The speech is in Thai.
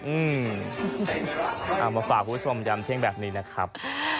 อื้มมาฝากผู้สมยำเที่ยงแบบนี้นะครับ